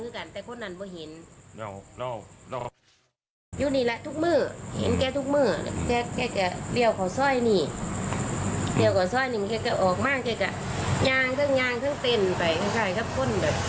จะมีอาการทางจิตปศาสตร์อยู่